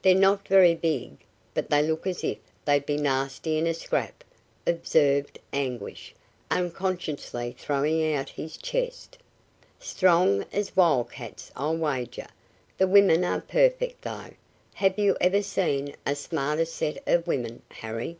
"They're not very big, but they look as if they'd be nasty in a scrap," observed Anguish, unconsciously throwing out his chest. "Strong as wildcats, I'll wager. The women are perfect, though. Have you ever seen a smarter set of women, Harry?"